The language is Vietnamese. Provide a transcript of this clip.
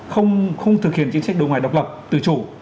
không thực hiện chính sách đối ngoại độc lập tự chủ